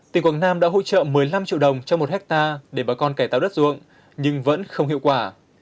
tỉnh quảng nam đã hỗ trợ một mươi năm triệu đồng cho một hectare để bà con cải tạo đất ruộng nhưng vẫn không hiệu quả